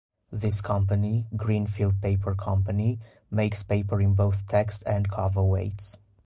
This Company, Green Field Paper Company, makes paper in both text and cover weights.